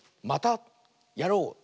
「またやろう！」。